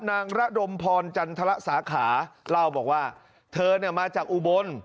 ระดมพรจันทรสาขาเล่าบอกว่าเธอเนี่ยมาจากอุบล